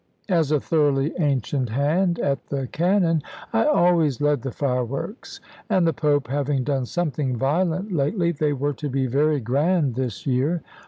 As a thoroughly ancient hand at the cannon, I always led the fireworks; and the Pope having done something violent lately, they were to be very grand this year.